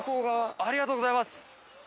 ありがとうございます。